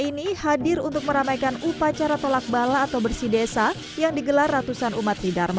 ini hadir untuk meramaikan upacara tolak bala atau bersih desa yang digelar ratusan umat di dharma